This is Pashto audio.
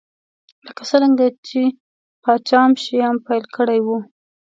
لکه څرنګه چې پاچا شیام پیل کړی و.